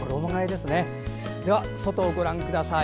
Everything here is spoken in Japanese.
では外をご覧ください。